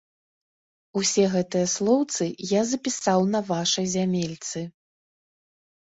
Усе гэтыя слоўцы я запісаў на вашай зямельцы.